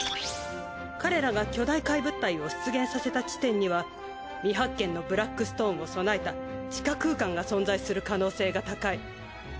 彼らが巨大怪物体を出現させた地点には未発見のブラックストーンを備えた地下空間が存在する可能性が高い。